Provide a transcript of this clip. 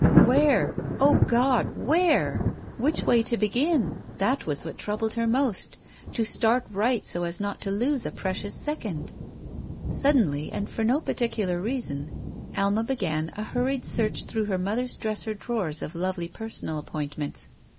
Where? O God! Where? Which way to begin? That was what troubled her most. To start right so as not to lose a precious second. Suddenly, and for no particular reason. Alma began a hurried search through her mother's dresser drawers of lovely personal appointments.